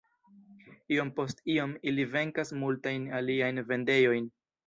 Iom post iom ili venkas multajn aliajn vendejojn.